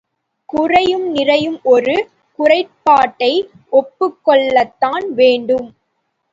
குறையும் நிறையும் ஒரு குறைபாட்டை ஒப்புக்கொள்ளத்தான் வேண்டும்.